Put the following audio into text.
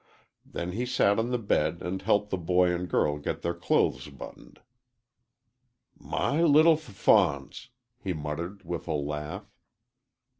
Then he sat on the bed and helped the boy and girl get their clothes buttoned.. "My little f fawns!" he muttered, with a laugh.